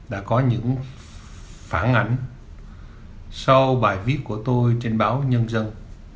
đã có những phản ảnh sau bài viết của tôi trên báo nhân dân